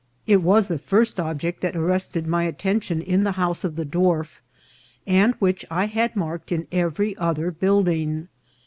It was the first object that had arrested my attention in the house of the dwarf, and which I had marked in every other building.